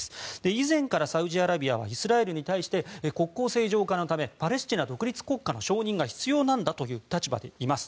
以前からサウジアラビアはイスラエルに対して国交正常化のためパレスチナ独立国家の承認が必要なんだという立場でいます。